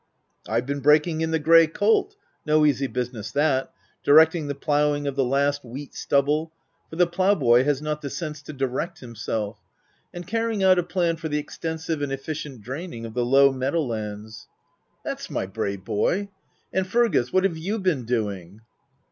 *" Pve been breaking in the grey colt— no easy business that — directing the ploughing of the last wheat stubble — for the ploughboy has not the sense to direct himself —and carrying b 3 10 THE TENANT out a plan for the extensive and efficient drain ing of the low meadow lands.'* " That's my brave boy! — and Fergus — what have you been doing